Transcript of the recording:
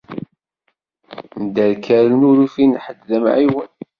Mderkalen ur ufin ḥedd d amɛiwen.